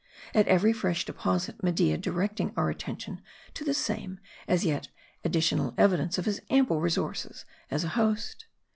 At every fresh deposit, Media directing our attention to the same, as yet additional evidence of his ample resources as a host.